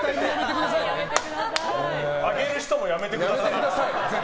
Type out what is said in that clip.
上げる人もやめてください。